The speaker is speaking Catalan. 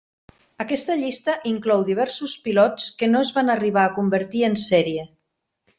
Aquesta llista inclou diversos pilots que no es van arribar a convertir en sèrie.